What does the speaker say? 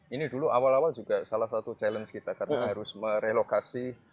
ini dulu awal awal juga salah satu challenge kita karena harus merelokasi